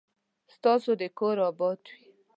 ستاسو دي کور اباد وي